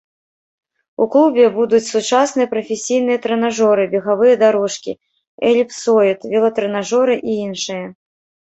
У клубе будуць сучасныя прафесійныя трэнажоры, бегавыя дарожкі, эліпсоід, велатрэнажоры і іншае.